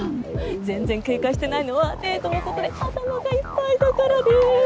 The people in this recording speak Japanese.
全然警戒してないのはデートのことで頭がいっぱいだからです。